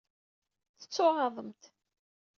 Tettuɣaḍemt.